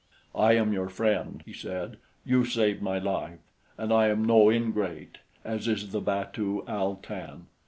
"I am your friend," he said. "You saved my life; and I am no ingrate as is the batu Al tan.